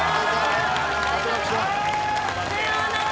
さようなら！